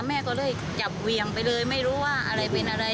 แม่ก็เลยจับเวียงไปเลยไม่รู้ว่าอะไรเป็นอะไร